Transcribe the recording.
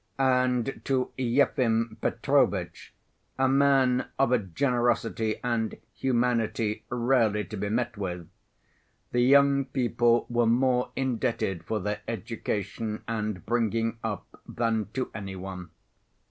And to Yefim Petrovitch, a man of a generosity and humanity rarely to be met with, the young people were more indebted for their education and bringing up than to any one.